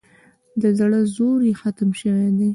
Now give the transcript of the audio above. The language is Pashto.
د زړه زور یې ختم شوی دی.